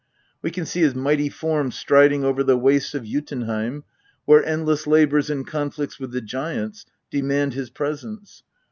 We can see his mighty form striding over the wastes of Jotunheim, where endless labours and conflicts with the giants demand his presence.